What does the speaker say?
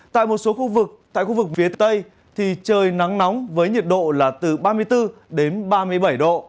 tại một số khu vực tại khu vực phía tây thì trời nắng nóng với nhiệt độ là từ ba mươi bốn đến ba mươi bảy độ